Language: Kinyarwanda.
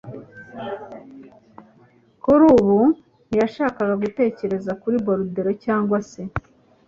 Kuri ubu ntiyashakaga gutekereza kuri Bordeaux cyangwa se.